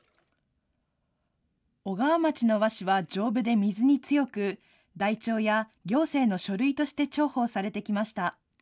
小川町の和紙は、丈夫で水に強く、台帳や行政の書類として重宝されてきました。